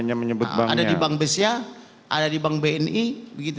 ada di bank besia ada di bank bni